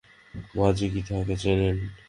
মাজি কি তাঁহাকে চেনেন।